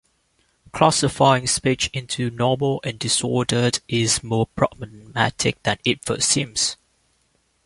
Classifying speech into normal and disordered is more problematic than it first seems.